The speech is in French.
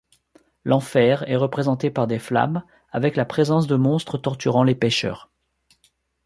L'enfer est représenté par des flammes, avec la présence de monstres torturant les pêcheurs.